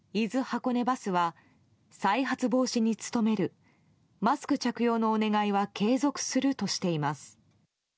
箱根バスは再発防止に努めるマスク着用のお願いは継続するとしています。